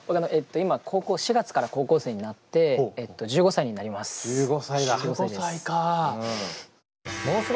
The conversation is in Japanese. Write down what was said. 今４月から高校生になって１５歳になります。